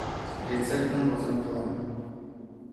Рецептым возен пуэн.